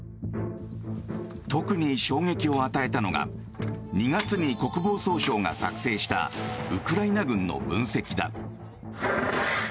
特に衝撃を与えたのが２月に国防総省が作成したウクライナ軍の分析だ。